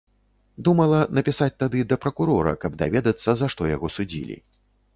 Думала напісаць тады да пракурора, каб даведацца, за што яго судзілі.